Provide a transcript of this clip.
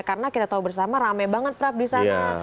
karena kita tahu bersama rame banget prap di sana